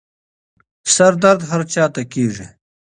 سردرد هر چا سره کېږي.